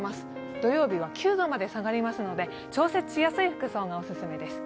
土曜日は９度まで下がりますので調整しやすい服装がオススメです。